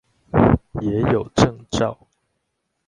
也有證照